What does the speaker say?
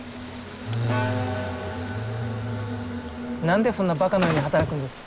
何でそんなバカのように働くんです？